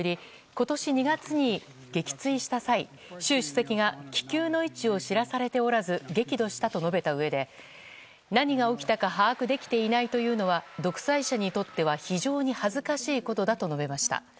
今年２月に撃墜した際習主席が気球の位置を知らされておらず激怒したと述べたうえで何が起きたか把握できていないというのは独裁者にとっては非常に恥ずかしいことだと述べました。